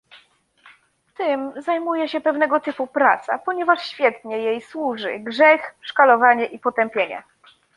Tym zajmuje się pewnego typu prasa, ponieważ świetnie jej służy grzech, szkalowanie i potępienie